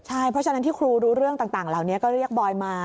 ใช่เพราะฉะนั้นที่ครูรู้เรื่องต่างเหล่านี้ก็เรียกบอยมา